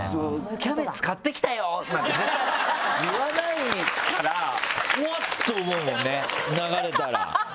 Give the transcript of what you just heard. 「キャベツ買ってきたよ」なんて言わないからうわっ！と思うもんね流れたら。